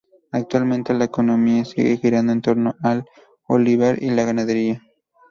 Actualmente, la economía sigue girando en torno al olivar y la ganadería.